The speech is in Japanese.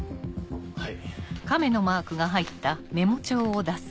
はい。